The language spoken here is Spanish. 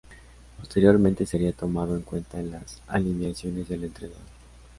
Posteriormente sería tomado en cuenta en las alineaciones del entrenador.